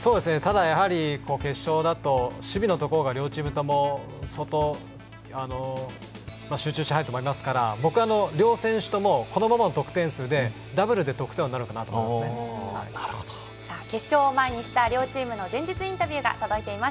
やはり決勝だと守備のところが両チームとも相当集中しないとと思いますから僕は両選手ともこのままの得点数で決勝を前にした両チームの前日インタビューが届いてます。